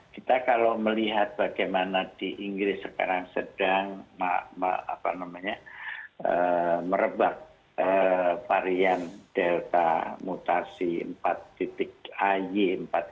kalau melihat bagaimana di inggris sekarang sedang merebak varian delta mutasi empat dua